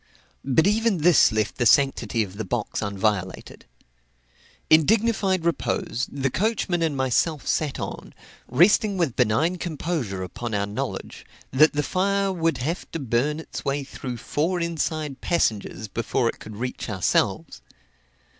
But even this left the sanctity of the box unviolated. In dignified repose, the coachman and myself sat on, resting with benign composure upon our knowledge that the fire would have to burn its way through four inside passengers before it could reach ourselves.